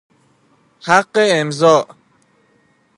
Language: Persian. حق امضاء